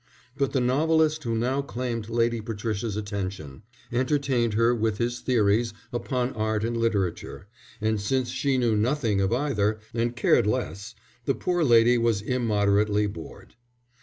But the novelist who now claimed Lady Patricia's attention, entertained her with his theories upon art and literature; and since she knew nothing of either, and cared less, the poor lady was immoderately bored.